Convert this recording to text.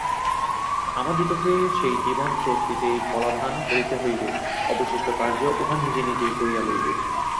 আমাদিগকে সেই জীবনস্রোতটিতেই বলাধান করিতে হইবে, অবশিষ্ট কার্য উহা নিজে নিজেই করিয়া লইবে।